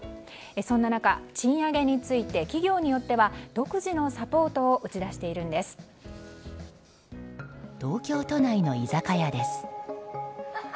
そんな中、賃上げについて企業によっては独自のサポートを東京都内の居酒屋です。